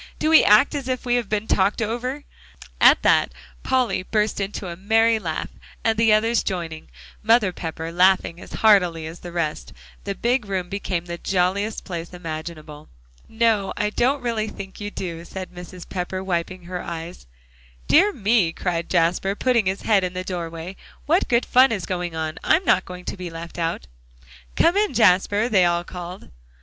"Do we act as if we had been talked over?" At that, Polly burst into a merry laugh; and the others joining, Mother Pepper laughing as heartily as the rest, the big room became the jolliest place imaginable. "No, I don't really think you do," said Mrs. Pepper, wiping her eyes. "Dear me!" cried Jasper, putting his head in the doorway, "what good fun is going on? I'm not going to be left out." "Come in, Jasper," they all called.